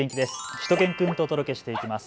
しゅと犬くんとお届けしていきます。